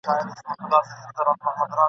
چي راغلی یې پر ځان د مرګ ساعت وي !.